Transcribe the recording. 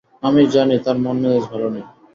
আমি জানি তার মন মেজাজ ভালো নেই।